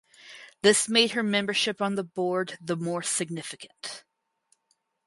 This made her membership on the Board the more significant.